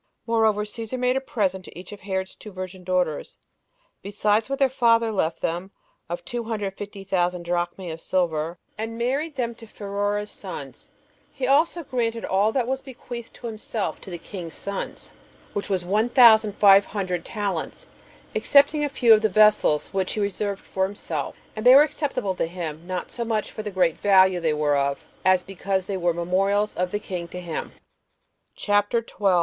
Moreover, Cæsar made a present to each of Herod's two virgin daughters, besides what their father left them, of two hundred and fifty thousand [drachmae] of silver, and married them to Pheroras's sons: he also granted all that was bequeathed to himself to the king's sons, which was one thousand five hundred talents, excepting a few of the vessels, which he reserved for himself; and they were acceptable to him, not so much for the great value they were of, as because they were memorials of the king to him. CHAPTER 12.